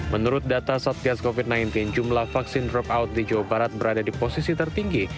menurut data satgas covid sembilan belas jumlah vaksin drokout di jawa barat berada di posisi tertinggi